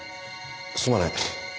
すまない。